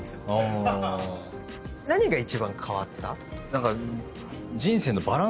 何が一番変わった？